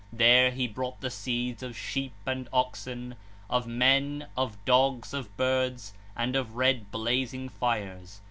There he brought the seeds of sheep and oxen, of men, of p. 19 dogs, of birds, and of red blazing fires.